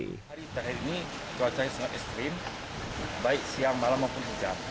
hari terakhir ini cuacanya sangat ekstrim baik siang malam maupun hujan